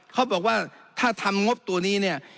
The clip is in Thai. เขาบอกว่าถ้าทำงบตัวนี้เนี่ย